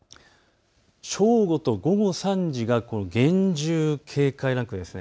正午と午後３時が厳重警戒ランクです。